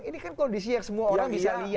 ini kan kondisi yang semua orang bisa lihat